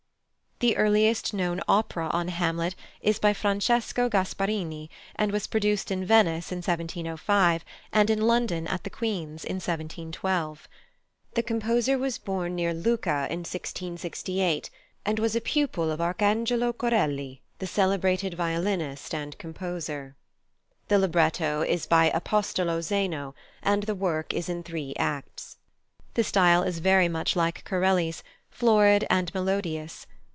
The earliest known opera on Hamlet is by +Francesco Gasparini+, and was produced in Venice in 1705 and in London at the Queen's in 1712. The composer was born near Lucca in 1668, and was a pupil of Archangelo Corelli, the celebrated violinist and composer. The libretto is by Apostolo Zeno, and the work is in three acts. The style is very much like Corelli's, florid and melodious.